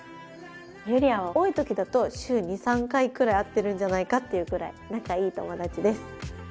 ゆりあは多い時だと週２３回くらい会ってるんじゃないかっていうくらい仲いい友達です。